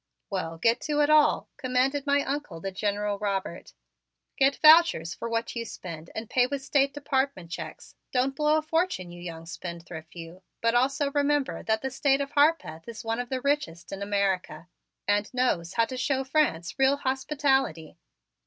"Well, get to it all," commanded my Uncle, the General Robert. "Get vouchers for what you spend and pay with State Department checks. Don't blow in a fortune, you young spendthrift, you, but also remember that the State of Harpeth is one of the richest in America and knows how to show France real hospitality."